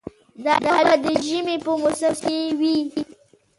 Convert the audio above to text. دا لوبه د ژمي په موسم کې وي.